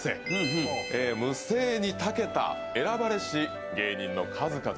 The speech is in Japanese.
無声にたけた選ばれし芸人の数々。